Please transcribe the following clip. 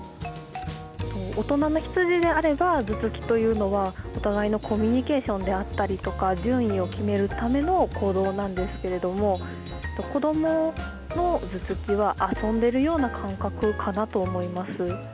大人のヒツジであれば、頭突きというのは、お互いのコミュニケーションであったりとか、順位を決めるための行動なんですけれども、子どもの頭突きは遊んでいるような感覚かなと思います。